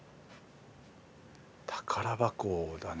宝箱だね